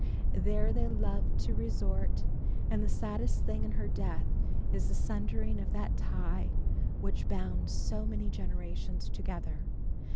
There they loved to resort and the saddest thing in her death is the sundering of that tie which bound so many generations together.